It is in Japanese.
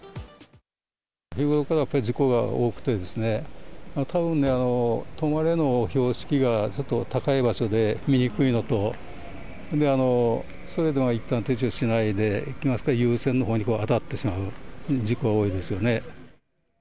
日頃からやっぱり事故が多くてですね、たぶん、止まれの標識がちょっと高い場所で見にくいのと、それでもいったん停止しないで優先のほうに当たってしまう事故が多いですよね。